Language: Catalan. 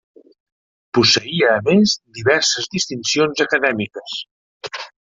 Posseïa a més diverses distincions acadèmiques.